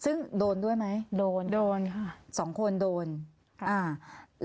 ซึ่งโดนด้วยไหมโดนโดนค่ะสองคนโดนอ่า